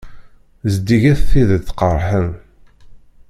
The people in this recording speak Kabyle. Zeddiget tidet qeṛṛḥen.